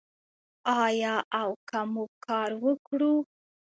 آیا او که موږ کار وکړو؟